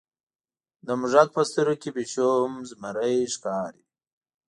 د موږک په سترګو کې پیشو هم زمری ښکاري.